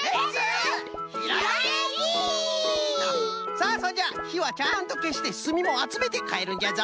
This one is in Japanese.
さあそんじゃひはちゃんとけしてすみもあつめてかえるんじゃぞ。